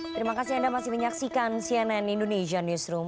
terima kasih anda masih menyaksikan cnn indonesia newsroom